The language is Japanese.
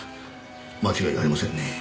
間違いありませんねぇ。